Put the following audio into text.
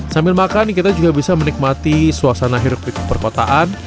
sambil makan kita juga bisa menikmati suasana hiruk pikuk perkotaan